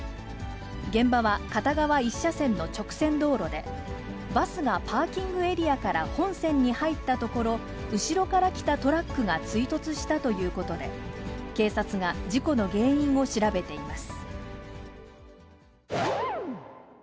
現場は片側１車線の直線道路で、バスがパーキングエリアから本線に入ったところ、後ろから来たトラックが追突したということで、警察が事故の原因を調べています。